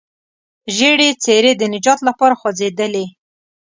ژېړې څېرې د نجات لپاره خوځېدلې.